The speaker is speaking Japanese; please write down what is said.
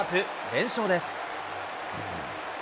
連勝です。